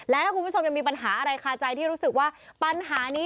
และถ้าคุณผู้ชมยังมีปัญหาอะไรคาใจที่รู้สึกว่าปัญหานี้